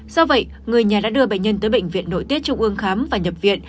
do vậy người nhà đã đưa bệnh nhân tới bệnh viện nội tiết trung ương khám và nhập viện